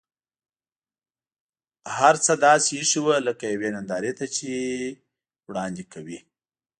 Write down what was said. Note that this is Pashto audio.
هر څه داسې اېښي و لکه یوې نندارې ته یې چې وړاندې کوي.